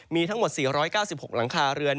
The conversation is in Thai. มีทั้งหมด๔๙๖หลังคาเรือน